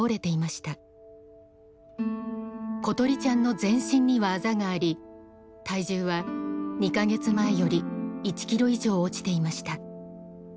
詩梨ちゃんの全身にはあざがあり体重は２か月前より１キロ以上落ちていました。